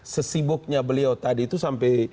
sesibuknya beliau tadi itu sampai